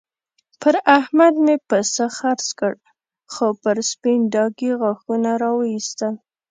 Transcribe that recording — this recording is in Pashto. پر احمد مې پسه خرڅ کړ؛ خو پر سپين ډاګ يې غاښونه را واېستل.